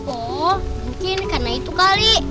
oh mungkin karena itu kali